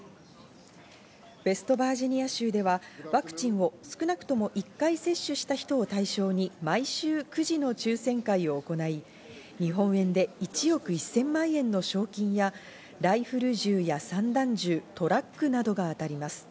ウェストバージニア州ではワクチンを少なくとも１回接種した人を対象に、毎週くじの抽選会を行い、日本円で１億１０００万円の賞金やライフル銃や散弾銃、トラックなどが当たります。